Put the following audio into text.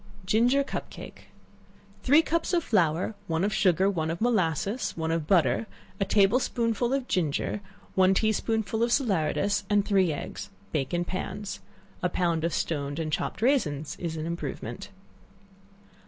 Ginger Cup cake. Three cups of flour, one of sugar, one of molasses, one of butter, a table spoonful of ginger, one tea spoonful of salaeratus, and three eggs; bake in pans. A pound of stoned and chopped raisins is an improvement.